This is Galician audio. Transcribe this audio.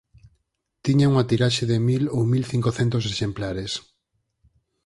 Tiña unha tiraxe de mil o mil cincocentos exemplares.